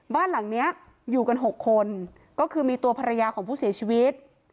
บ้านหลังนี้อยู่กัน๖คนก็คือมีตัวภรรยาของผู้เสียชีวิต